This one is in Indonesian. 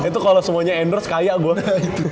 itu kalau semuanya endorse kaya gue